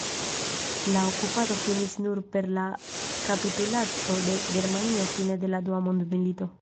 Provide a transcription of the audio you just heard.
La okupado finis nur per la kapitulaco de Germanio fine de la Dua Mondmilito.